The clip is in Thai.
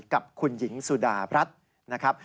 กับคุณหญิงสุดารัฐนะครับ